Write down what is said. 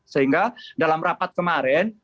sehingga dalam rapat kemarin